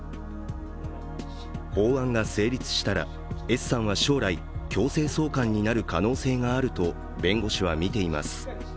法案が成立したらＳさんは将来、強制送還になる可能性があると弁護士はみています。